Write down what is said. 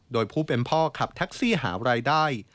โดยผู้เป็นพ่อขับแท็กซี่หารายได้